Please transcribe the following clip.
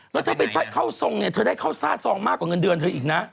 แล้วเธอไปเข้าทรงเนี่ยเธอได้เข้าซ่าซองมากกว่าเงินเดือนเธออีกนะ